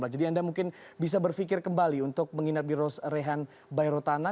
jadi anda mungkin bisa berpikir kembali untuk menginap di rose rehan by rotana